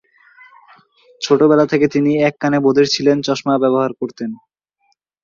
ছোটবেলা থেকে তিনি এক কানে বধির ছিলেন এবং চশমা ব্যবহার করতেন।